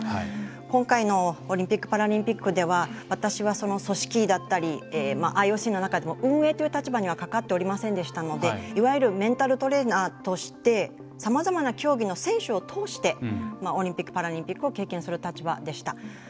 今回のオリンピック・パラリンピックでは私は、その組織だったりＩＯＣの中でも運営という形では関わってはおりませんでしたのでいわゆるメンタルトレーナーとしてさまざまな競技の選手を通してオリンピック・パラリンピックを経験する立場でした。